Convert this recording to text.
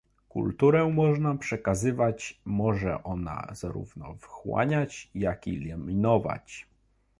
Kulturę można przekazywać, może ona zarówno wchłaniać, jak i eliminować